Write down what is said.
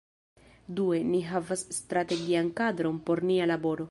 Due, ni havas strategian kadron por nia laboro.